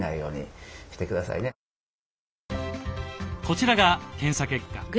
こちらが検査結果。